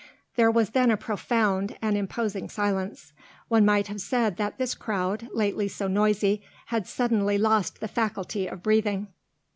There was then a profound, an imposing silence. One might have said that this crowd, lately so noisy, had suddenly lost the faculty of breathing.